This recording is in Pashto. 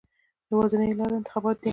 یوازینۍ لاره انتخابات دي.